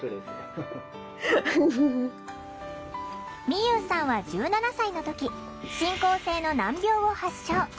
みゆうさんは１７歳の時進行性の難病を発症。